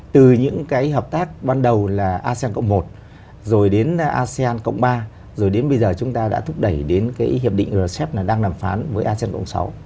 từ những cái hợp tác ban đầu là asean cộng một rồi đến asean cộng ba rồi đến bây giờ chúng ta đã thúc đẩy đến cái hiệp định rcep đang đàm phán với asean cộng sáu